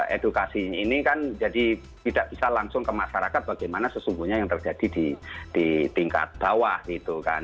edukasi ini kan jadi tidak bisa langsung ke masyarakat bagaimana sesungguhnya yang terjadi di tingkat bawah gitu kan